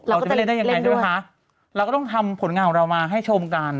เราก็จะเล่นด้วยค่ะเราก็จะเล่นได้อย่างไรด้วยคะเราก็ต้องทำผลงานของเรามาให้ชมกัน